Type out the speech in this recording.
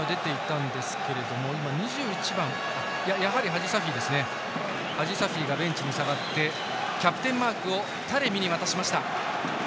ハジサフィがベンチに下がってキャプテンマークをタレミに渡しました。